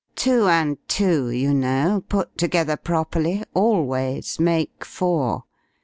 "Two and two, you know, put together properly, always make four.